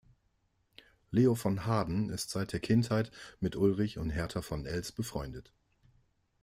Leo von Harden ist seit der Kindheit mit Ulrich und Hertha von Eltz befreundet.